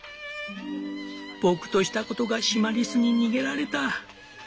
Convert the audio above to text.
「僕としたことがシマリスに逃げられた」。